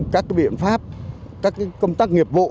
các cái biện pháp các cái công tác nghiệp vụ